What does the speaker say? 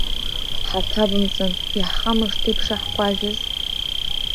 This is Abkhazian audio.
Ҳаҭабымҵан, иаҳхамышҭи бшаҳкәажәыз.